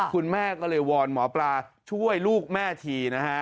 คุณแม่ก็เลยวอนหมอปลาช่วยลูกแม่ทีนะฮะ